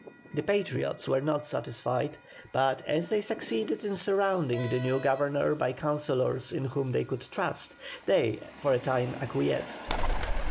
The Patriots were not satisfied, but as they succeeded in surrounding the new Governor by councillors in whom they could trust, they for a time acquiesced.